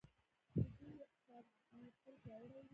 د دوی اقتصاد دې تل پیاوړی وي.